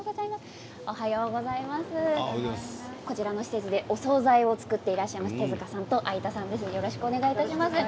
こちらの施設でお総菜を作っていらっしゃいます手塚さんと相田さんです。